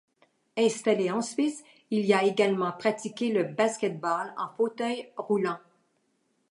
Installé en Suisse, il y a également pratiqué le basket-ball en fauteuil roulant.